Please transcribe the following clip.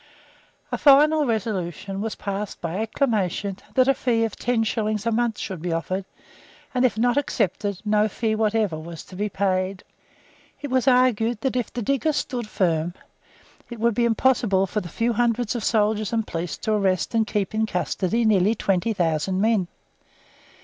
A final resolution was passed by acclamation that a fee of ten shillings a month should be offered, and if not accepted, no fee whatever was to be paid. It was argued that if the diggers stood firm, it would be impossible for the few hundreds of soldiers and police to arrest and keep in custody nearly twenty thousand men.